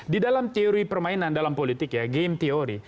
di dalam teori permainan dalam politik ya game teori